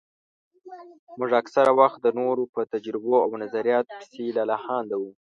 موږ اکثره وخت د نورو په تجربو او نظرياتو پسې لالهانده وو.